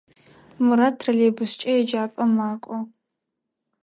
Мурат троллейбускӏэ еджапӏэм макӏо.